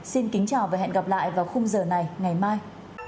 xin kính chào và hẹn gặp lại vào khung giờ này ngày mai